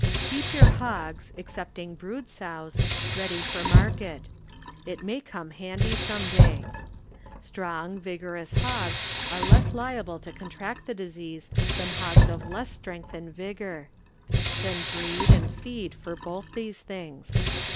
Keep your hogs, ex cepting brood sows, ready for market. It may come handy some day. Strong, vigorous hogs are less liable to contrart the disease than hogs of hra┬½ streiwtb and vigor. Then breed and feed for both these things.